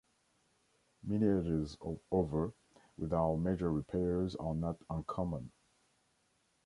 Mileages of over without major repairs are not uncommon.